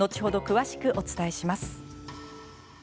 詳しくお伝えします。